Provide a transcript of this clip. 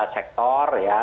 enam sektor ya